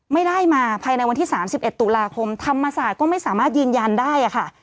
ไม่ได้มาภายในวันที่๓๑ตุลาคมธรรมศาสตร์ก็ไม่สามารถยืนยันได้ค่ะ